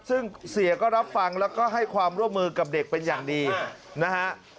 ซึ่งเสียก็รับฟังแล้วก็ให้ความร่วมมือกับเด็กเป็นอย่างดีนะฮะ